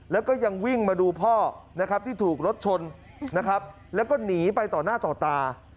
แล้วก็ยังวิ่งมาดูพ่อนะครับที่ถูกรถชนนะครับแล้วก็หนีไปต่อหน้าต่อตา